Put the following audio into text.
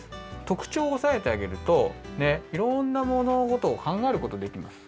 とくちょうをおさえてあげるといろんなものごとをかんがえることできます。